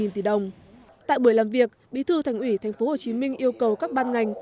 một mươi tỷ đồng tại buổi làm việc bí thư thành ủy tp hcm yêu cầu các ban ngành